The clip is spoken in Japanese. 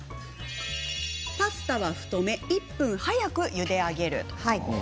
パスタは太めで１分早くゆで上げる。